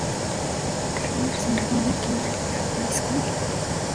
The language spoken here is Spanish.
Cramer se graduó de Kindred High School.